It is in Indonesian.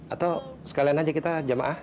atau sekalian aja kita jamaah